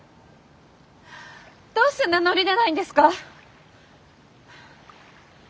どうして名乗り出ないんですか？